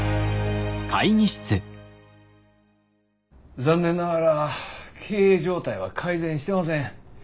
残念ながら経営状態は改善してません。